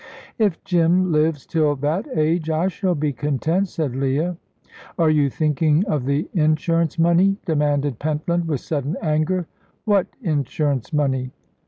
"If Jim lives till that age, I shall be content," said Leah. "Are you thinking of the insurance money?" demanded Pentland, with sudden anger. "What insurance money?